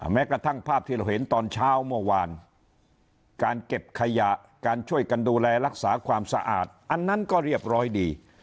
แม้กระทั่งภาพที่เราเห็นตอนเช้าเมื่อวานการเก็บขยะการช่วยกันดูแลรักษาความสะอาดอันนั้นก็เรียบร้อยดี